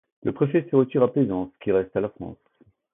Le préfet se retire à Plaisance qui reste à la France.